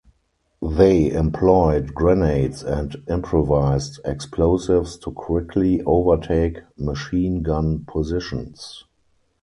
They employed grenades and improvised explosives to quickly overtake machine gun positions.